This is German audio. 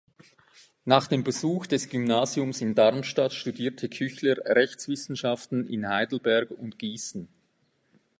Nach dem Besuch des Gymnasiums in Darmstadt studierte Küchler Rechtswissenschaften in Heidelberg und Gießen.